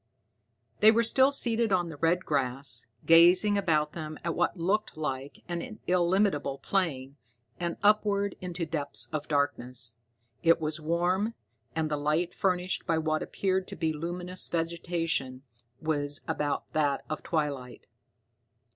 They were still seated on the red grass, gazing about them at what looked like an illimitable plain, and upward into depths of darkness. It was warm, and the light, furnished by what appeared to be luminous vegetation, was about that of twilight.